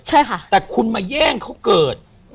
ใช่ค่ะแต่คุณมาแย่งเขาเกิด